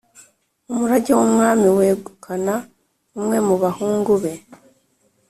umurage w’umwami wegukana umwe mu bahungu be,